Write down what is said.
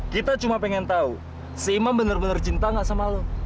kita cuma pengen tahu si imam bener bener cinta gak sama lo